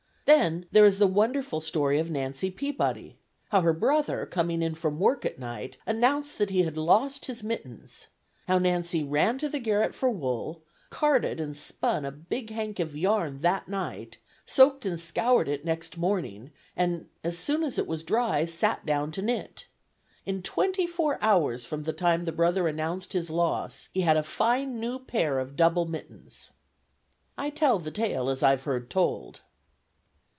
Then there is the wonderful story of Nancy Peabody. How her brother, coming in from work at night, announced that he had lost his mittens. How Nancy ran to the garret for wool, carded and spun a big hank of yarn that night, soaked and scoured it next morning, and as soon as it was dry, sat down to knit. "In twenty four hours from the time the brother announced his loss he had a fine new pair of double mittens." "I tell the tale as I've heard told."